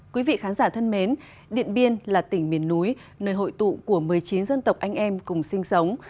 quý vị khán giả thân mến điện biên là tỉnh miền núi nơi hội tụ của một mươi chín dân tộc anh em cùng sinh sống